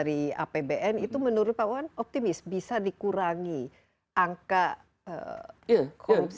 di apbn itu menurut pak wan optimis bisa dikurangi angka korupsi dan lain lain